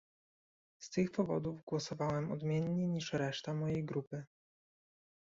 Z tych powodów głosowałem odmiennie niż reszta mojej grupy